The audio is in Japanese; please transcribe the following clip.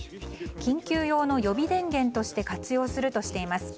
緊急用の予備電源として活用するとしています。